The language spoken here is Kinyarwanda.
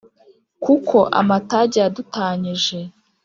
Kuko amatage yadutanyije